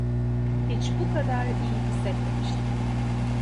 Hiç bu kadar iyi hissetmemiştim.